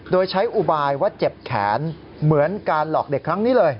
โดยใช้อุบายว่าเจ็บแขนเหมือนการหลอกเด็กครั้งนี้เลย